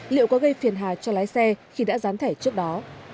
liệu có gây phiền hà cho lái xe khi đã dán thẻ trước đó